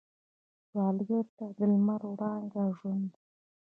سوالګر ته د لمر وړانګه ژوند ده